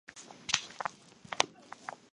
样本中近一半的女性几乎终生做家庭主妇。